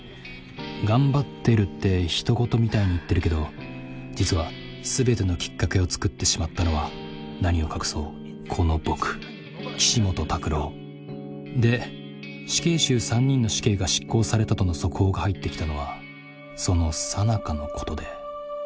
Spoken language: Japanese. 頑張ってるってひと事みたいに言ってるけど実は全てのきっかけを作ってしまったのは何を隠そうこの僕岸本拓朗。で死刑囚３人の死刑が執行されたとの速報が入ってきたのはそのさなかのことで。